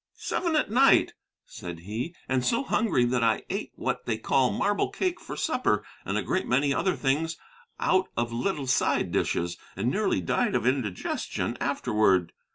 "Seven at night," said he, "and so hungry that I ate what they call marble cake for supper, and a great many other things out of little side dishes, and nearly died of indigestion afterward.